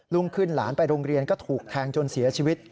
รุ่งขึ้นหลานไปโรงเรียนก็ถูกแทงจนเสียชีวิต